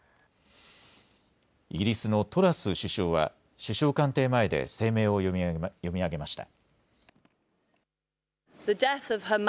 イギリスのトラス首相は首相官邸前で声明を読み上げました。